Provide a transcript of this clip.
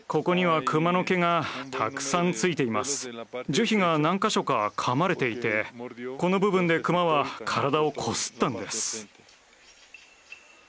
樹皮が何か所か噛まれていてこの部分でクマは体をこすったんです。